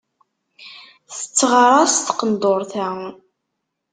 Tetteɣraṣ tqendurt-a.